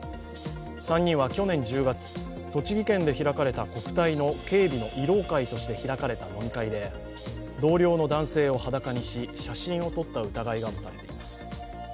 ３人は去年１０月、栃木県で開かれた国体の警備の慰労会として開かれた飲み会で、同僚の男性を裸にし、写真を撮った疑いが持たれています。